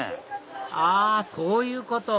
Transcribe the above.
あそういうこと！